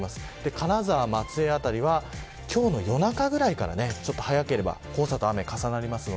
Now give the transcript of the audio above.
金沢、松江辺りは今日の夜中ぐらいから早ければ黄砂と雨が重なります。